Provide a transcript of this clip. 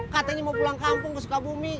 katanya mau pulang kampung ke sukabumi